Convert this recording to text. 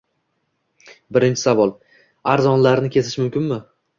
Birinchi savol: Arzonlarini kesish mumkinmi?